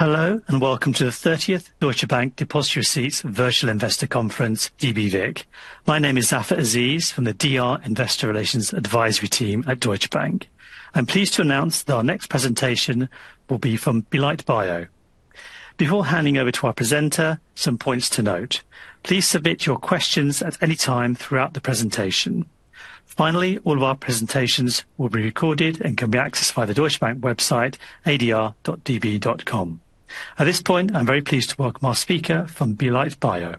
Hello, welcome to the 30th Deutsche Bank Depositary Receipts Virtual Investor Conference, DBVIC. My name is Zafar Aziz from the DR Investor Relations Advisory Team at Deutsche Bank. I'm pleased to announce that our next presentation will be from Belite Bio. Before handing over to our presenter, some points to note. Please submit your questions at any time throughout the presentation. All of our presentations will be recorded and can be accessed via the Deutsche Bank website, adr.db.com. At this point, I'm very pleased to welcome our speaker from Belite Bio.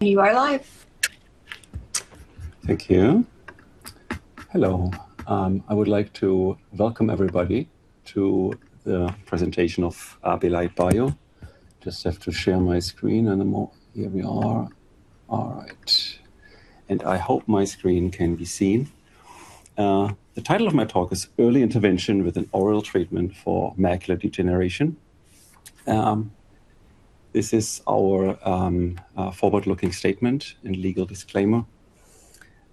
You are live. Thank you. Hello. I would like to welcome everybody to the presentation of Belite Bio. Just have to share my screen anymore. Here we are. All right. I hope my screen can be seen. The title of my talk is Early Intervention with an Oral Treatment for Macular Degeneration. This is our forward-looking statement and legal disclaimer.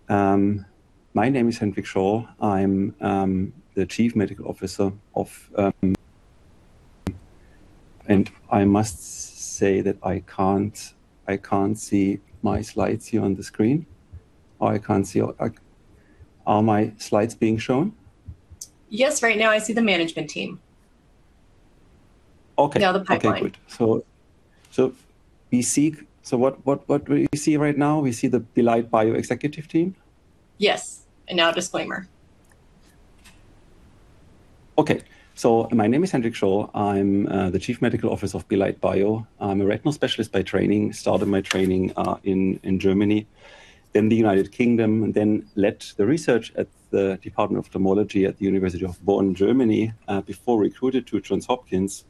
My name is Hendrik Scholl. I'm the Chief Medical Officer of... I must say that I can't see my slides here on the screen, or I can't see... Are my slides being shown? Yes. Right now, I see the management team. Okay. Now the pipeline. Okay, good. What we see right now? We see the Belite Bio executive team? Yes, now disclaimer. Okay. My name is Hendrik Scholl. I'm the Chief Medical Officer of Belite Bio. I'm a retinal specialist by training. Started my training in Germany, then the U.K., and then led the research at the Department of Ophthalmology at the University of Bonn, Germany, before recruited to Johns Hopkins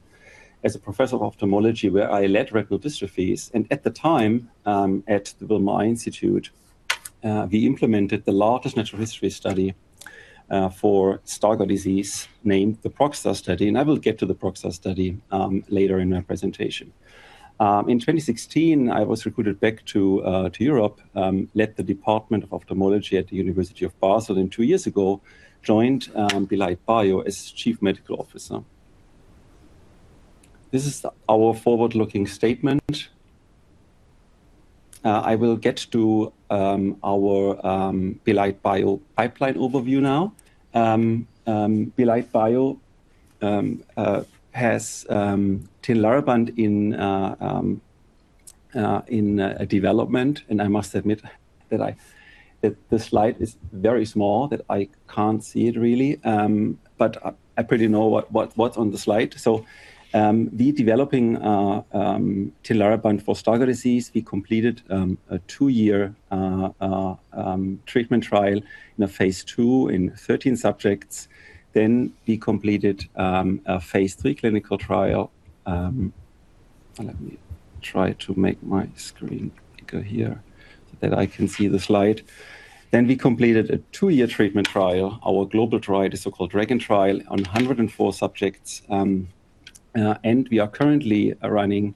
as a Professor of Ophthalmology, where I led retinal dystrophies. At the time, at the Wilmer Eye Institute, we implemented the largest natural history study for Stargardt disease named the ProgStar study. I will get to the ProgStar study later in my presentation. In 2016, I was recruited back to Europe, led the Department of Ophthalmology at the University of Basel, and 2 years ago, joined Belite Bio as Chief Medical Officer. This is our forward-looking statement. I will get to our Belite Bio pipeline overview now. Belite Bio has Tinlarebant in development. I must admit that the slide is very small that I can't see it really. I pretty know what's on the slide. The developing Tinlarebant for Stargardt disease. We completed a 2-year treatment trial in a phase II in 13 subjects. We completed a phase III clinical trial. Let me try to make my screen bigger here so that I can see the slide. We completed a 2-year treatment trial. Our global trial, the so-called DRAGON trial on 104 subjects. We are currently running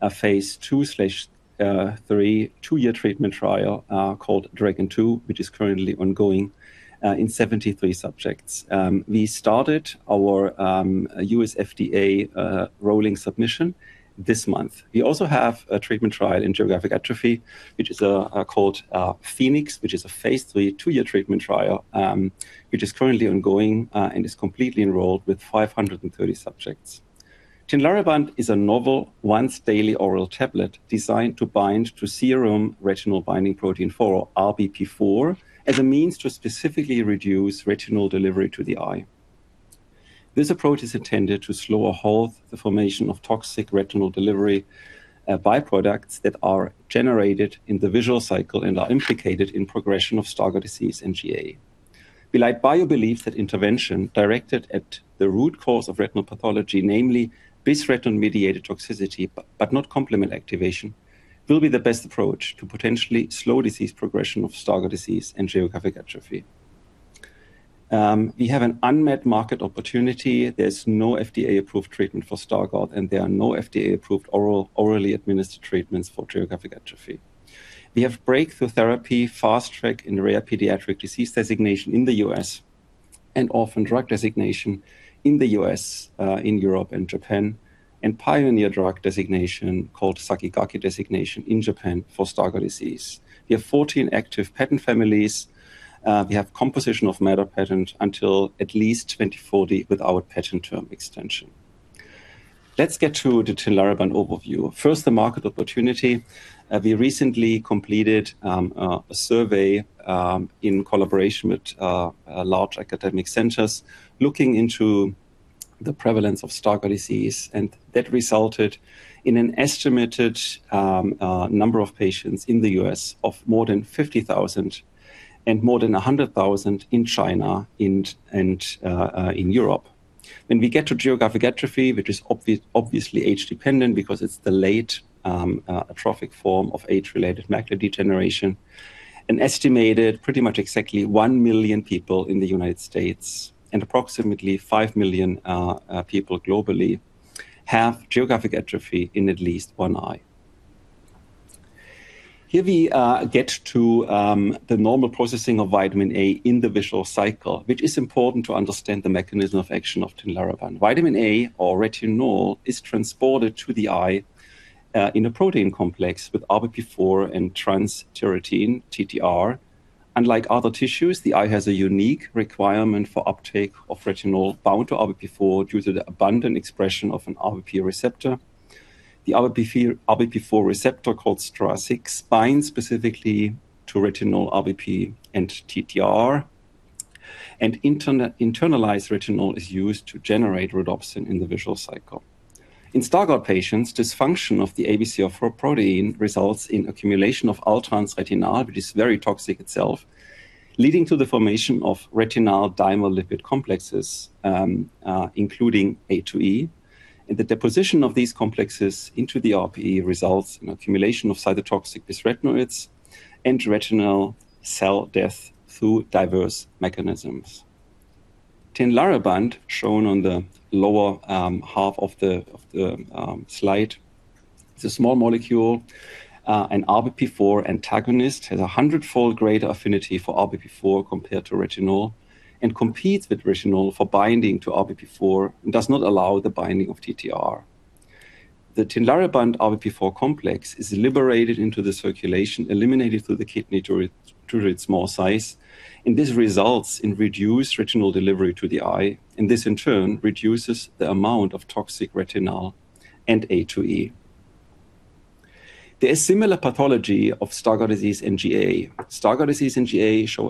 a phase II/III 2-year treatment trial called DRAGON II, which is currently ongoing in 73 subjects. We started our U.S. FDA rolling submission this month. We also have a treatment trial in geographic atrophy, which is called PHOENIX, which is a phase III 2-year treatment trial, which is currently ongoing and is completely enrolled with 530 subjects. Tinlarebant is a novel once daily oral tablet designed to bind to serum Retinol-Binding Protein 4 or RBP4 as a means to specifically reduce retinal delivery to the eye. This approach is intended to slow or halt the formation of toxic retinal delivery byproducts that are generated in the visual cycle and are implicated in progression of Stargardt disease and GA. Belite Bio believes that intervention directed at the root cause of retinal pathology, namely bisretinoid-mediated toxicity but not complement activation, will be the best approach to potentially slow disease progression of Stargardt disease and geographic atrophy. We have an unmet market opportunity. There's no FDA-approved treatment for Stargardt, and there are no FDA-approved oral, orally administered treatments for geographic atrophy. We have breakthrough therapy, fast track in rare pediatric disease designation in the U.S. and orphan drug designation in the U.S., in Europe and Japan, and pioneer drug designation called Sakigake designation in Japan for Stargardt disease. We have 14 active patent families. We have composition of matter patent until at least 2040 with our patent term extension. Let's get to the Tinlarebant overview. First, the market opportunity. We recently completed a survey in collaboration with large academic centers looking into the prevalence of Stargardt disease. That resulted in an estimated number of patients in the U.S. of more than 50,000 and more than 100,000 in China and in Europe. When we get to geographic atrophy, which is obviously age-dependent because it's the late atrophic form of age-related macular degeneration, an estimated pretty much exactly 1 million people in the United States and approximately 5 million people globally have geographic atrophy in at least one eye. Here we get to the normal processing of vitamin A in the visual cycle, which is important to understand the mechanism of action of Tinlarebant. Vitamin A or retinol is transported to the eye in a protein complex with RBP4 and transthyretin, TTR. Unlike other tissues, the eye has a unique requirement for uptake of retinol bound to RBP4 due to the abundant expression of an RBP receptor. The RBP-RBP4 receptor, called STRA6, binds specifically to retinol RBP and TTR. Internalized retinol is used to generate rhodopsin in the visual cycle. In Stargardt patients, dysfunction of the ABCA4 protein results in accumulation of all-trans retinal, which is very toxic itself, leading to the formation of retinal dimer lipid complexes, including A2E. The deposition of these complexes into the RPE results in accumulation of cytotoxic bisretinoids and retinal cell death through diverse mechanisms. Tinlarebant, shown on the lower half of the slide, is a small molecule, an RBP4 antagonist. Has a hundredfold greater affinity for RBP4 compared to retinol and competes with retinol for binding to RBP4 and does not allow the binding of TTR. The Tinlarebant RBP4 complex is liberated into the circulation, eliminated through the kidney due to its small size, and this results in reduced retinol delivery to the eye, and this in turn reduces the amount of toxic retinal and A2E. There is similar pathology of Stargardt disease and GA. Stargardt disease and GA show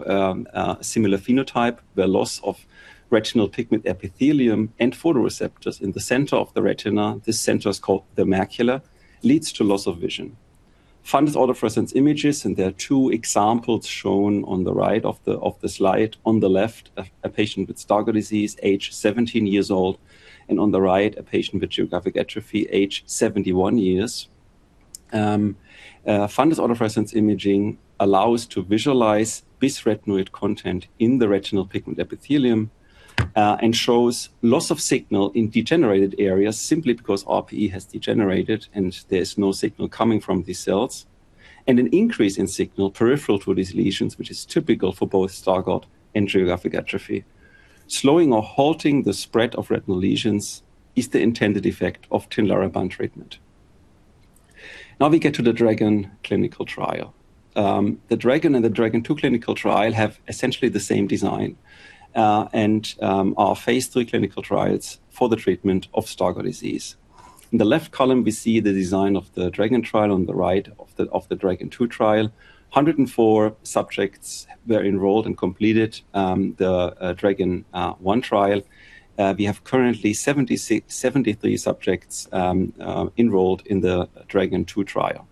similar phenotype, where loss of retinal pigment epithelium and photoreceptors in the center of the retina, this center is called the macula, leads to loss of vision. Fundus autofluorescence images. There are two examples shown on the right of the slide. On the left a patient with Stargardt disease aged 17 years old, and on the right, a patient with geographic atrophy aged 71 years. Fundus autofluorescence imaging allows to visualize bisretinoid content in the retinal pigment epithelium and shows loss of signal in degenerated areas simply because RPE has degenerated and there is no signal coming from these cells. An increase in signal peripheral to these lesions, which is typical for both Stargardt and geographic atrophy. Slowing or halting the spread of retinal lesions is the intended effect of Tinlarebant treatment. Now we get to the DRAGON clinical trial. The DRAGON and the DRAGON II clinical trial have essentially the same design and are phase III clinical trials for the treatment of Stargardt disease. In the left column we see the design of the DRAGON trial, on the right of the DRAGON II trial. 104 subjects were enrolled and completed the DRAGON trial. We have currently 73 subjects enrolled in the DRAGON II trial.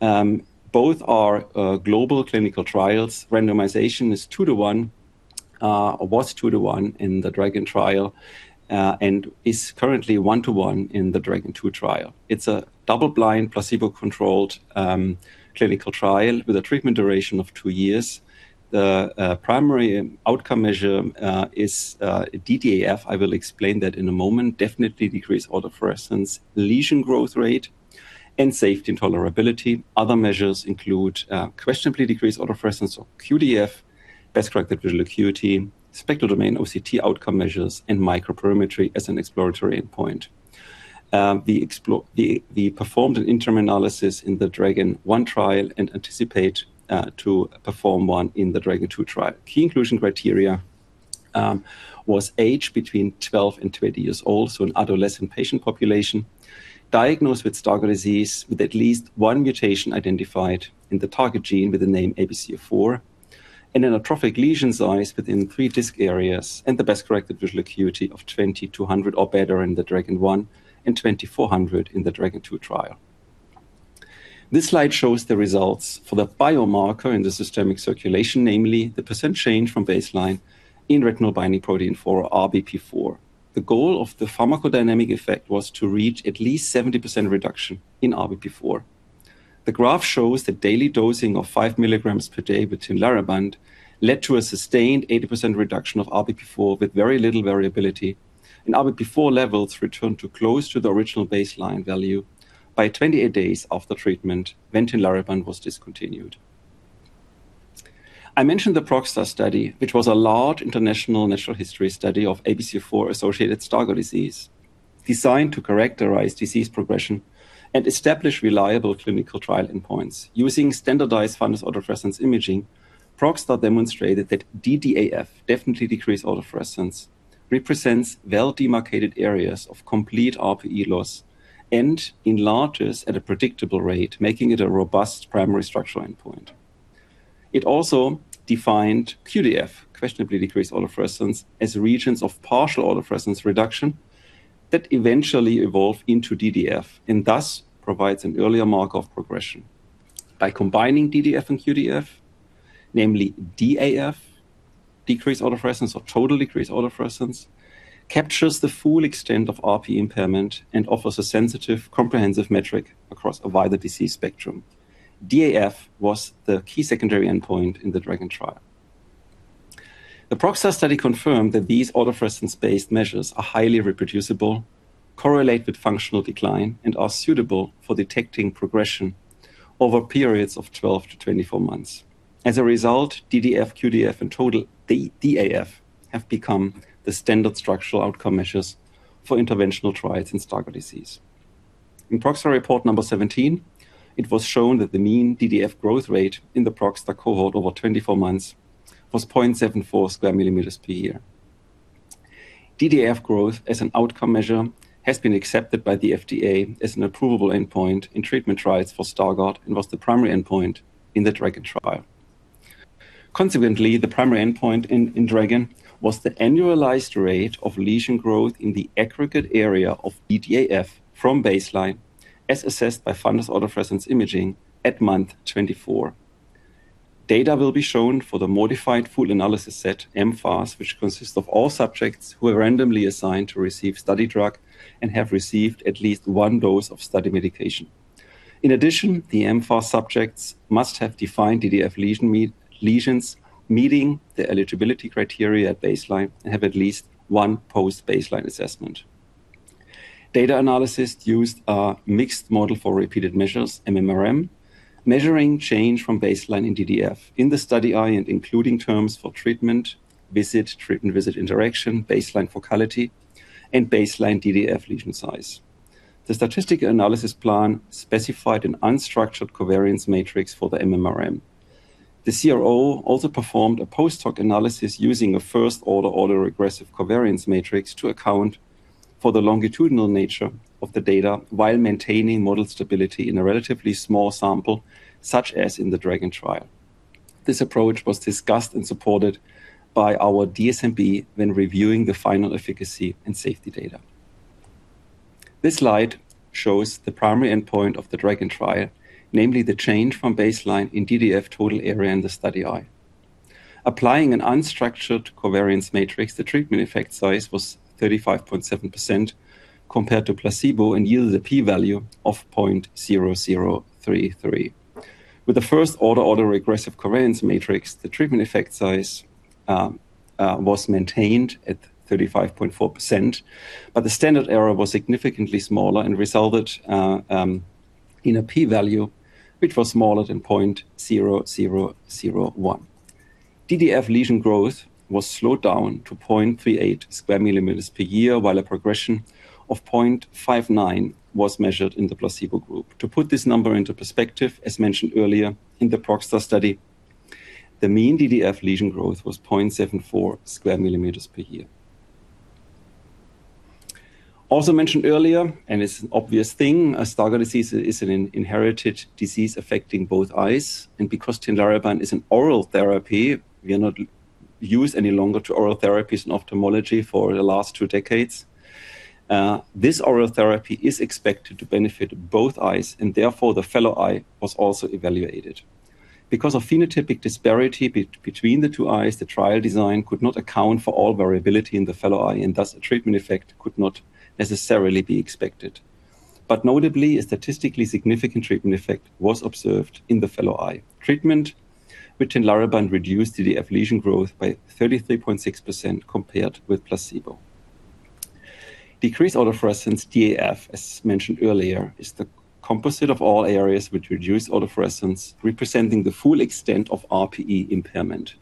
Both are global clinical trials. Randomization is 2 to 1, was 2 to 1 in the DRAGON trial, and is currently 1 to 1 in the DRAGON II trial. It's a double blind placebo-controlled clinical trial with a treatment duration of 2 years. The primary outcome measure is DDAF. I will explain that in a moment. Definitely decreased autofluorescence, lesion growth rate, and safety and tolerability. Other measures include questionably decreased autofluorescence or QDAF, best corrected visual acuity, spectral domain OCT outcome measures, and microperimetry as an exploratory endpoint. We performed an interim analysis in the DRAGON trial and anticipate to perform one in the DRAGON II trial. Key inclusion criteria was age between 12 and 20 years old, so an adolescent patient population. Diagnosed with Stargardt disease with at least 1 mutation identified in the target gene with the name ABCA4, and an atrophic lesion size within 3 disc areas, and the best corrected visual acuity of 20/200 or better in the DRAGON and 20/400 in the DRAGON II trial. This slide shows the results for the biomarker in the systemic circulation, namely the % change from baseline in Retinol-Binding Protein 4, RBP4. The goal of the pharmacodynamic effect was to reach at least 70% reduction in RBP4. The graph shows that daily dosing of five milligrams per day with Tinlarebant led to a sustained 80% reduction of RBP4 with very little variability. RBP4 levels returned to close to the original baseline value by 28 days of the treatment when Tinlarebant was discontinued. I mentioned the ProgStar study, which was a large international natural history study of ABCA4-associated Stargardt disease. Designed to characterize disease progression and establish reliable clinical trial endpoints. Using standardized fundus autofluorescence imaging, ProgStar demonstrated that DDAF, definitely decreased autofluorescence, represents well-demarcated areas of complete RPE loss and enlarges at a predictable rate, making it a robust primary structural endpoint. It also defined QDAF, questionably decreased autofluorescence, as regions of partial autofluorescence reduction that eventually evolve into DDAF, and thus provides an earlier mark of progression. By combining DDF and QDF, namely DAF, decreased autofluorescence or total decreased autofluorescence, captures the full extent of RPE impairment and offers a sensitive, comprehensive metric across a wider disease spectrum. DAF was the key secondary endpoint in the DRAGON trial. The ProgStar study confirmed that these autofluorescence-based measures are highly reproducible, correlate with functional decline, and are suitable for detecting progression over periods of 12 to 24 months. As a result, DDF, QDF, and total DDAF have become the standard structural outcome measures for interventional trials in Stargardt disease. In ProgStar report number 17, it was shown that the mean DDF growth rate in the ProgStar cohort over 24 months was 0.74 square millimeters per year. DDF growth as an outcome measure has been accepted by the FDA as an approvable endpoint in treatment trials for Stargardt and was the primary endpoint in the DRAGON trial. Consequently, the primary endpoint in DRAGON was the annualized rate of lesion growth in the aggregate area of DAF from baseline as assessed by fundus autofluorescence imaging at month 24. Data will be shown for the modified full analysis set, MFAS, which consists of all subjects who were randomly assigned to receive study drug and have received at least 1 dose of study medication. In addition, the MFAS subjects must have defined DAF lesions meeting the eligibility criteria at baseline and have at least 1 post-baseline assessment. Data analysis used a mixed model for repeated measures, MMRM, measuring change from baseline in DAF in the study eye and including terms for treatment visit, treatment visit interaction, baseline focality, and baseline DAF lesion size. The statistical analysis plan specified an unstructured covariance matrix for the MMRM. The CRO also performed a post-hoc analysis using a first-order autoregressive covariance matrix to account for the longitudinal nature of the data while maintaining model stability in a relatively small sample, such as in the DRAGON trial. This approach was discussed and supported by our DSMB when reviewing the final efficacy and safety data. This slide shows the primary endpoint of the DRAGON trial, namely the change from baseline in DDAF total area in the study eye. Applying an unstructured covariance matrix, the treatment effect size was 35.7% compared to placebo and yielded a P value of 0.0033. With the first-order autoregressive covariance matrix, the treatment effect size was maintained at 35.4%, but the standard error was significantly smaller and resulted in a P value which was smaller than 0.0001. DDF lesion growth was slowed down to 0.38 square millimeters per year, while a progression of 0.59 was measured in the placebo group. To put this number into perspective, as mentioned earlier in the ProgStar study, the mean DDF lesion growth was 0.74 square millimeters per year. Also mentioned earlier, it's an obvious thing, Stargardt disease is an inherited disease affecting both eyes, and because Tinlarebant is an oral therapy, we are not used any longer to oral therapies in ophthalmology for the last 2 decades. This oral therapy is expected to benefit both eyes and therefore the fellow eye was also evaluated. Because of phenotypic disparity between the 2 eyes, the trial design could not account for all variability in the fellow eye, and thus a treatment effect could not necessarily be expected. Notably, a statistically significant treatment effect was observed in the fellow eye. Treatment with Tinlarebant reduced DDAF lesion growth by 33.6% compared with placebo. Decreased autofluorescence, DAF, as mentioned earlier, is the composite of all areas which reduce autofluorescence, representing the full extent of RPE impairment.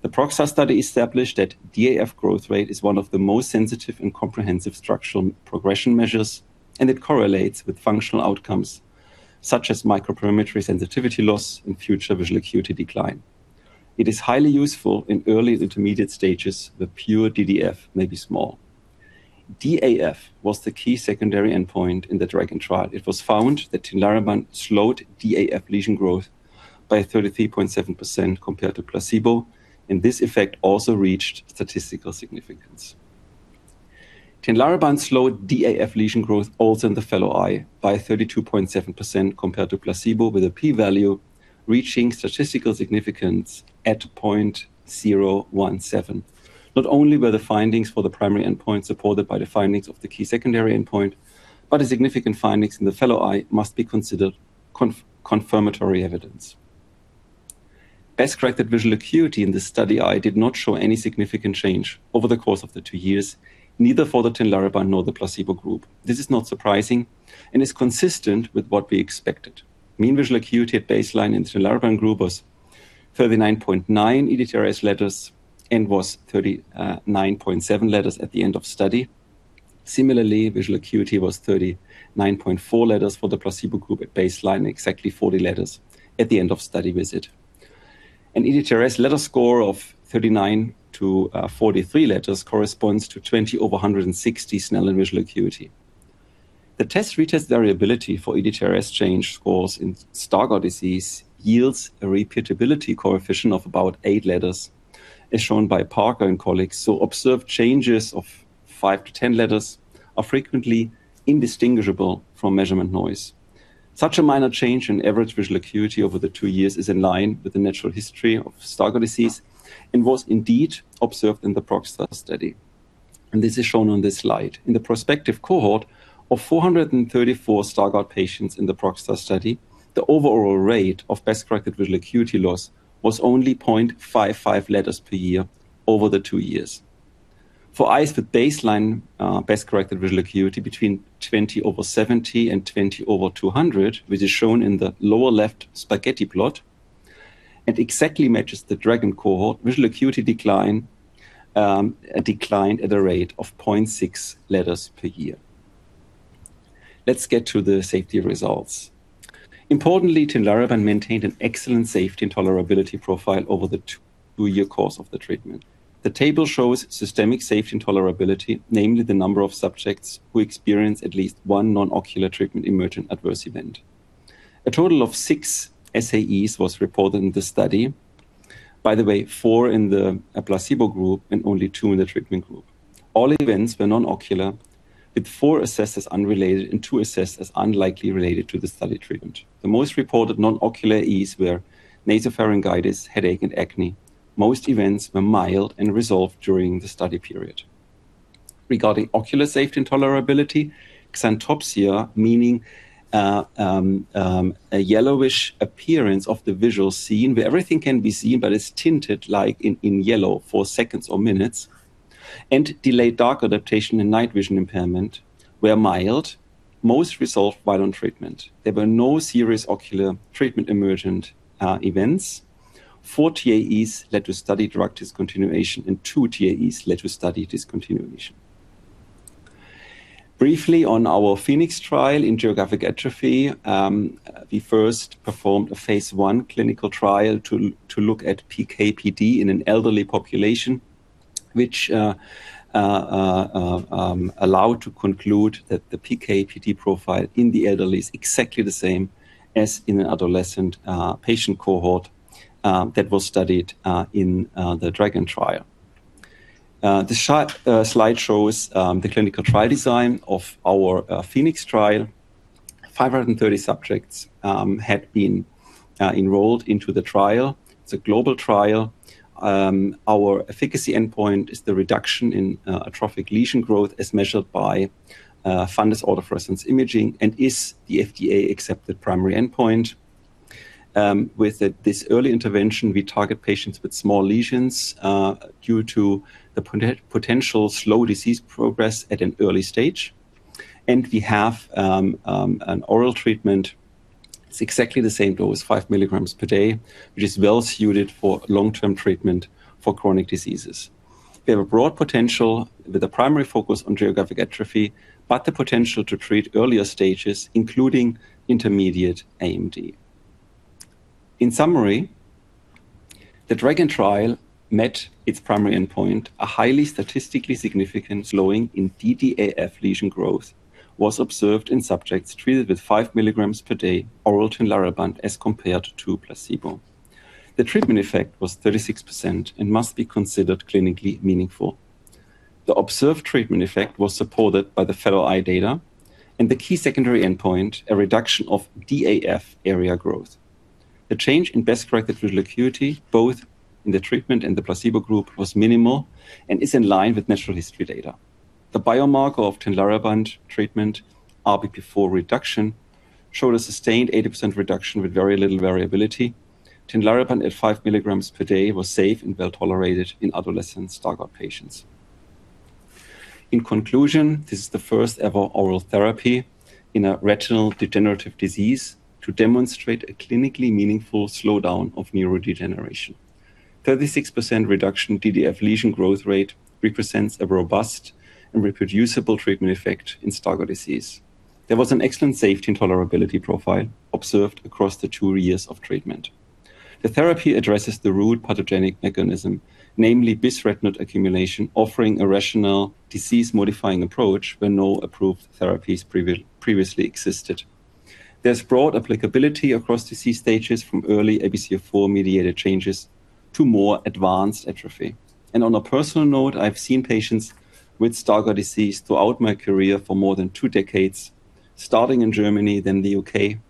The ProgStar study established that DAF growth rate is one of the most sensitive and comprehensive structural progression measures, and it correlates with functional outcomes such as microperimetry sensitivity loss and future visual acuity decline. It is highly useful in early intermediate stages where pure DDAF may be small. DAF was the key secondary endpoint in the DRAGON trial. It was found that Tinlarebant slowed DAF lesion growth by 33.7% compared to placebo, and this effect also reached statistical significance. Tinlarebant slowed DAF lesion growth also in the fellow eye by 32.7% compared to placebo, with a P value reaching statistical significance at 0.017. Not only were the findings for the primary endpoint supported by the findings of the key secondary endpoint, but a significant findings in the fellow eye must be considered confirmatory evidence. Best corrected visual acuity in the study eye did not show any significant change over the course of the two years, neither for the Tinlarebant nor the placebo group. This is not surprising and is consistent with what we expected. Mean visual acuity at baseline in the Tinlarebant group was 39.9 ETDRS letters and was 39.7 letters at the end of study. Similarly, visual acuity was 39.4 letters for the placebo group at baseline, exactly 40 letters at the end of study visit. An ETDRS letter score of 39 to 43 letters corresponds to 20 over 160 Snellen visual acuity. The test-retest variability for ETDRS change scores in Stargardt disease yields a repeatability coefficient of about 8 letters, as shown by Parker and colleagues, observed changes of 5-10 letters are frequently indistinguishable from measurement noise. Such a minor change in average visual acuity over the 2 years is in line with the natural history of Stargardt disease and was indeed observed in the ProgStar study. This is shown on this slide. In the prospective cohort of 434 Stargardt disease patients in the ProgStar study, the overall rate of best-corrected visual acuity loss was only 0.55 letters per year over the 2 years. For eyes with baseline best-corrected visual acuity between 20/70 and 20/200, which is shown in the lower left spaghetti plot, and exactly matches the DRAGON cohort, visual acuity decline declined at a rate of 0.6 letters per year. Let's get to the safety results. Importantly, Tinlarebant maintained an excellent safety and tolerability profile over the 2-year course of the treatment. The table shows systemic safety and tolerability, namely the number of subjects who experience at least one non-ocular Treatment-Emergent Adverse Event. A total of 6 SAEs was reported in the study. By the way, 4 in the placebo group and only 2 in the treatment group. All events were non-ocular, with 4 assessed as unrelated and 2 assessed as unlikely related to the study treatment. The most reported non-ocular EAs were nasopharyngitis, headache, and acne. Most events were mild and resolved during the study period. Regarding ocular safety and tolerability, xanthopsia, meaning a yellowish appearance of the visual scene where everything can be seen but it's tinted, like, in yellow for seconds or minutes, and delayed dark adaptation and night vision impairment were mild. Most resolved while on treatment. There were no serious ocular treatment emergent events. 4 TEAEs led to study drug discontinuation and 2 TEAEs led to study discontinuation. Briefly on our PHOENIX trial in geographic atrophy, we first performed a phase I clinical trial to look at PK/PD in an elderly population, which allowed to conclude that the PK/PD profile in the elderly is exactly the same as in an adolescent patient cohort that was studied in the DRAGON trial. This slide shows the clinical trial design of our PHOENIX trial. 530 subjects had been enrolled into the trial. It's a global trial. Our efficacy endpoint is the reduction in atrophic lesion growth as measured by fundus autofluorescence imaging and is the FDA accepted primary endpoint. With this early intervention, we target patients with small lesions due to the potential slow disease progress at an early stage. We have an oral treatment. It's exactly the same dose, 5 milligrams per day, which is well suited for long-term treatment for chronic diseases. We have a broad potential with a primary focus on geographic atrophy, but the potential to treat earlier stages, including intermediate AMD. In summary, the DRAGON trial met its primary endpoint. A highly statistically significant slowing in DDAF lesion growth was observed in subjects treated with 5 milligrams per day oral Tinlarebant as compared to placebo. The treatment effect was 36% and must be considered clinically meaningful. The observed treatment effect was supported by the fellow eye data and the key secondary endpoint, a reduction of DAF area growth. The change in best-corrected visual acuity, both in the treatment and the placebo group, was minimal and is in line with natural history data. The biomarker of Tinlarebant treatment, RBP4 reduction, showed a sustained 80% reduction with very little variability. Tinlarebant at 5 milligrams per day was safe and well-tolerated in adolescent Stargardt patients. In conclusion, this is the first ever oral therapy in a retinal degenerative disease to demonstrate a clinically meaningful slowdown of neurodegeneration. 36% reduction in DDAF lesion growth rate represents a robust and reproducible treatment effect in Stargardt disease. There was an excellent safety and tolerability profile observed across the 2 years of treatment. The therapy addresses the root pathogenic mechanism, namely bisretinoid accumulation, offering a rational disease-modifying approach where no approved therapies previously existed. There's broad applicability across disease stages from early ABCA4-mediated changes to more advanced atrophy. On a personal note, I've seen patients with Stargardt disease throughout my career for more than two decades, starting in Germany, then the U.K.,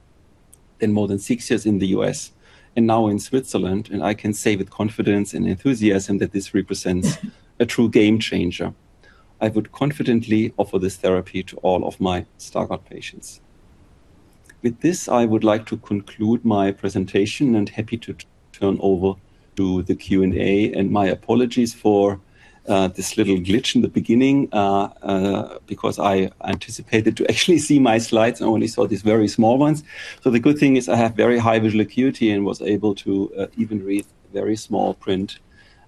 then more than six years in the U.S., and now in Switzerland. I can say with confidence and enthusiasm that this represents a true game changer. I would confidently offer this therapy to all of my Stargardt patients. With this, I would like to conclude my presentation and happy to turn over to the Q&A. My apologies for this little glitch in the beginning because I anticipated to actually see my slides. I only saw these very small ones. The good thing is I have very high visual acuity and was able to even read very small print.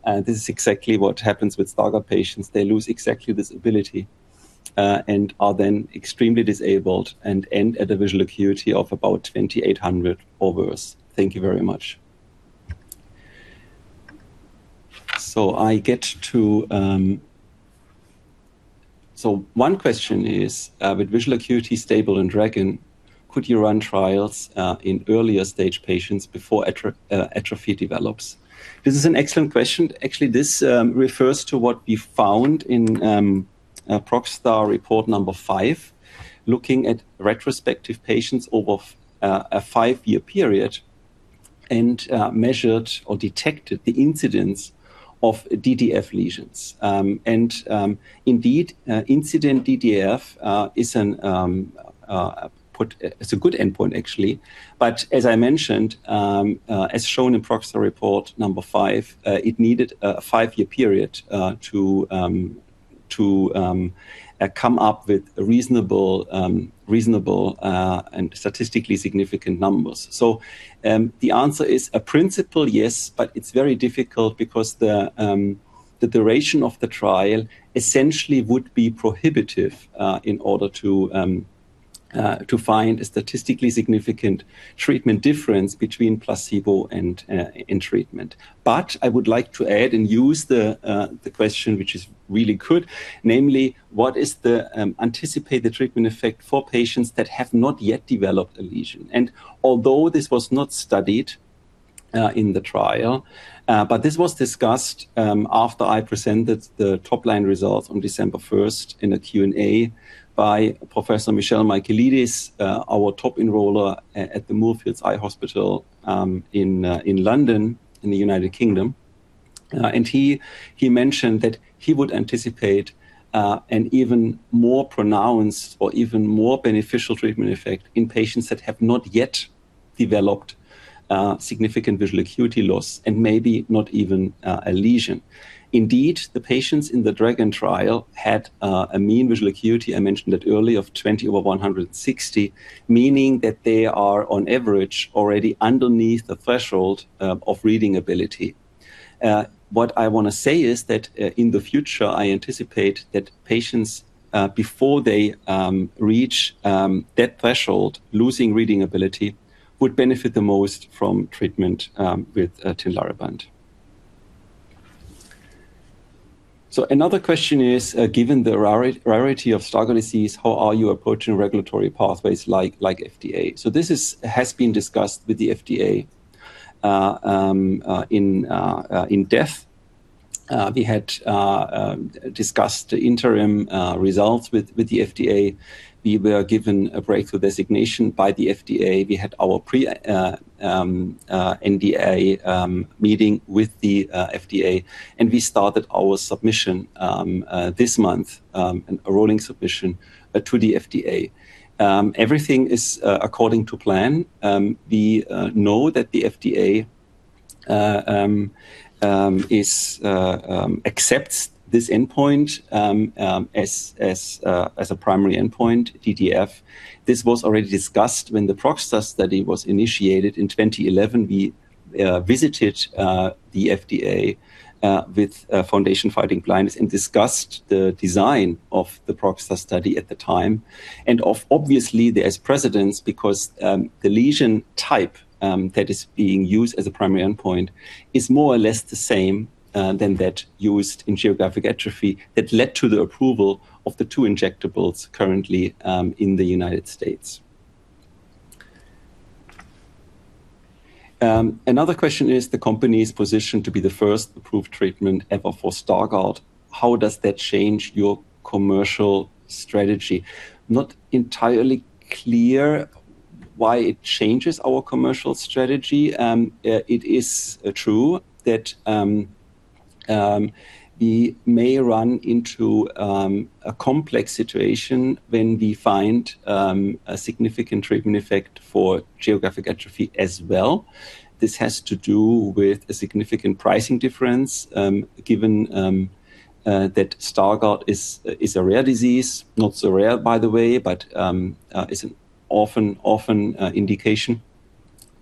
This is exactly what happens with Stargardt patients. They lose exactly this ability and are then extremely disabled and end at a visual acuity of about 20/800 or worse. Thank you very much. I get to. One question is, "With visual acuity stable in DRAGON, could you run trials in earlier stage patients before atrophy develops?" This is an excellent question. Actually, this refers to what we found in ProgStar report number 5, looking at retrospective patients over a five-year period and measured or detected the incidence of DDAF lesions. Indeed, incident DDAF is a good endpoint actually. As I mentioned, as shown in ProgStar report number 5, it needed a five-year period to come up with reasonable and statistically significant numbers. The answer is a principle, yes, but it's very difficult because the duration of the trial essentially would be prohibitive in order to find a statistically significant treatment difference between placebo and in treatment. I would like to add and use the question, which is really good. Namely, what is the anticipated treatment effect for patients that have not yet developed a lesion? Although this was not studied in the trial, but this was discussed after I presented the top-line results on December first in a Q&A by Professor Michel Michaelides, our top enroller at the Moorfields Eye Hospital in London, in the United Kingdom. He mentioned that he would anticipate an even more pronounced or even more beneficial treatment effect in patients that have not yet developed significant visual acuity loss and maybe not even a lesion. Indeed, the patients in the DRAGON trial had a mean visual acuity, I mentioned that early, of 20/160, meaning that they are on average already underneath the threshold of reading ability. What I wanna say is that in the future, I anticipate that patients before they reach that threshold, losing reading ability, would benefit the most from treatment with Tinlarebant. Another question is, given the rarity of Stargardt disease, how are you approaching regulatory pathways like FDA? This has been discussed with the FDA in-depth. We had discussed the interim results with the FDA. We were given a breakthrough designation by the FDA. We had our pre-NDA meeting with the FDA, we started our submission this month, a rolling submission to the FDA. Everything is according to plan. We know that the FDA accepts this endpoint as a primary endpoint, DDAF. This was already discussed when the ProgStar study was initiated in 2011. We visited the FDA with Foundation Fighting Blindness and discussed the design of the ProgStar study at the time. Obviously, there's precedence because the lesion type that is being used as a primary endpoint is more or less the same than that used in geographic atrophy that led to the approval of the two injectables currently in the United States. Another question is, the company's position to be the first approved treatment ever for Stargardt. How does that change your commercial strategy? Not entirely clear why it changes our commercial strategy. It is true that we may run into a complex situation when we find a significant treatment effect for geographic atrophy as well. This has to do with a significant pricing difference, given that Stargardt is a rare disease, not so rare, by the way, but is an often indication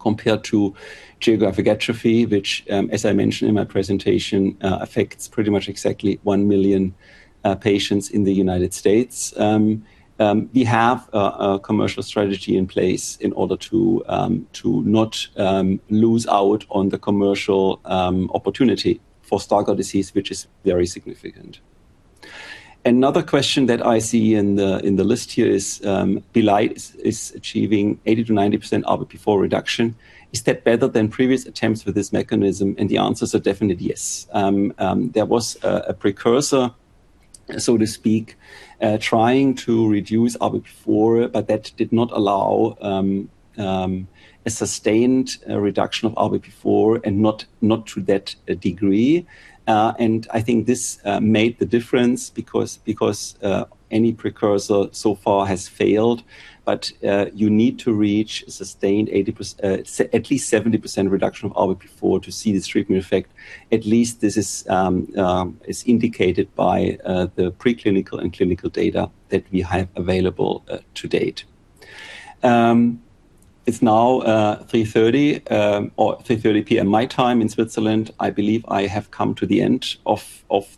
compared to geographic atrophy, which, as I mentioned in my presentation, affects pretty much exactly 1 million patients in the United States. We have a commercial strategy in place in order to not lose out on the commercial opportunity for Stargardt disease, which is very significant. Another question that I see in the list here is, Belite Bio is achieving 80%-90% of before reduction. Is that better than previous attempts with this mechanism? The answer is a definite yes. There was a precursor, so to speak, trying to reduce RBP4, but that did not allow a sustained reduction of RBP4 and not to that degree. I think this made the difference because any precursor so far has failed. You need to reach at least 70% reduction of RBP4 to see this treatment effect. At least this is indicated by the preclinical and clinical data that we have available to date. It's now 3:30, or 3:30 P.M. my time in Switzerland. I believe I have come to the end of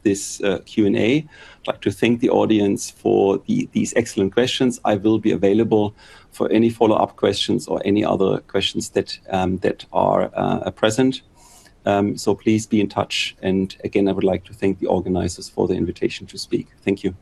this Q&A. I'd like to thank the audience for these excellent questions. I will be available for any follow-up questions or any other questions that are present. Please be in touch. Again, I would like to thank the organizers for the invitation to speak. Thank you.